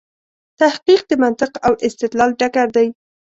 تحقیق د منطق او استدلال ډګر دی.